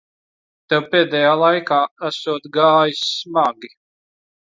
Tev pēdējā laikā esot gājis smagi.